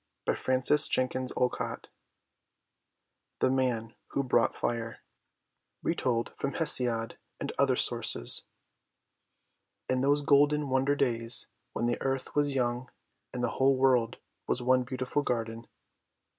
THE MAN WHO BROUGHT FIRE 287 THE MAN WHO BROUGHT FIRE Retold from Hesiod and Other Sources IN those golden wonder days, when the earth was young, the whole world was one beautiful garden.